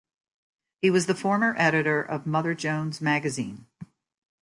He was the former editor of Mother Jones Magazine.